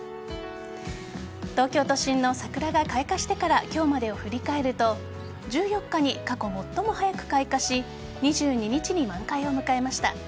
東京都心の桜が開花してから今日までを振り返ると１４日に過去最も早く開花し２２日に満開を迎えました。